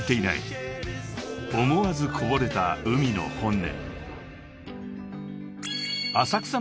［思わずこぼれたＵＭＩの本音］